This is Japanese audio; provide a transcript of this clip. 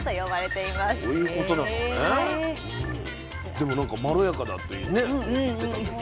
でもなんかまろやかだってね言ってたけど。